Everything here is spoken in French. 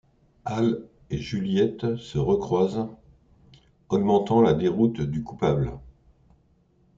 Al et Juliette se recroisent, augmentant la déroute du coupable.